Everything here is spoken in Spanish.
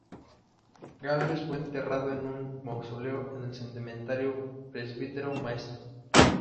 Gálvez fue enterrado en un mausoleo en el Cementerio Presbítero Maestro.